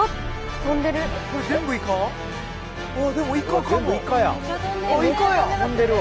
飛んでるわ！